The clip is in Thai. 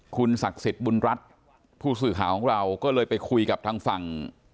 คุณศักดิ์สิทธิ์บุญรัฐผู้สื่อข่าวของเราก็เลยไปคุยกับทางฝั่ง